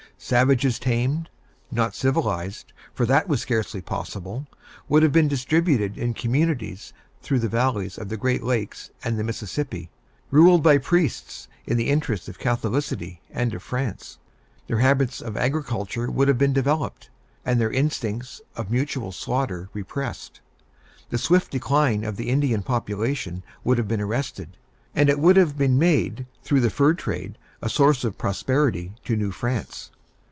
Savages tamed not civilized, for that was scarcely possible would have been distributed in communities through the valleys of the Great Lakes and the Mississippi, ruled by priests in the interest of Catholicity and of France. Their habits of agriculture would have been developed, and their instincts of mutual slaughter repressed. The swift decline of the Indian population would have been arrested; and it would have been made, through the fur trade, a source of prosperity to New France.